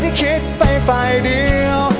ที่ดูคล้ายคล้ายว่าเธอนั้นรัก